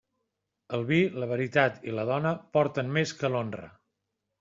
El vi, la veritat i la dona porten més que l'honra.